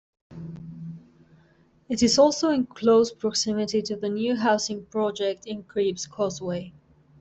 It is also in close proximity to the new housing project in Cribbs Causeway.